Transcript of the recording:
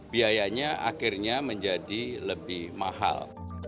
biayanya akhirnya menjadi lebih mahal